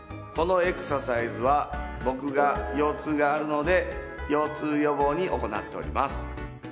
このエクササイズは僕が腰痛があるので腰痛予防に行っております。